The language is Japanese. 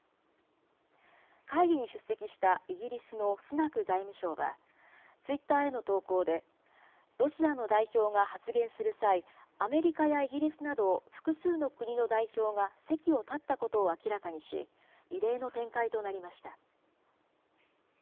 会議に出席したイギリスのスナク財務相は、ツイッターへの投稿で、ロシアの代表が発言する際、アメリカやイギリスなど、複数の国の代表が席を立ったことを明らかにし、異例の展開となりました。